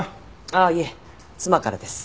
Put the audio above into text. ああいえ妻からです。